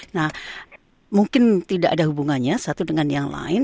nah mungkin tidak ada hubungannya satu dengan yang lain